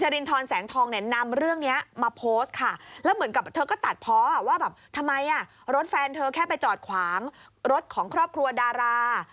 รถแฟนเธอแค่ไปจอดขวางรถของครอบครัวดารา